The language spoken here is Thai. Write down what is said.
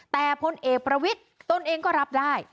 แต่พลเอกประวิทย์ตนเองก็รับได้